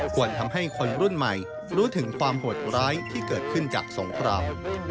ควรทำให้คนรุ่นใหม่รู้ถึงความโหดร้ายที่เกิดขึ้นจากสงคราม